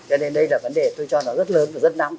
cho nên đây là vấn đề tôi cho nó rất lớn và rất nóng